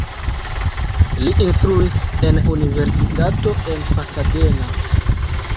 Li instruis en universitato en Pasadena.